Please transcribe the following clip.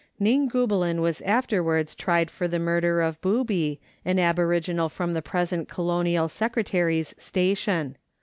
Ning goolobin was afterwards tried for the murder of Booby, an aboriginal from the present Colonial Secretary's station.